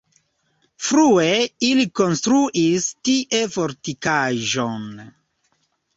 Frue ili konstruis tie fortikaĵon.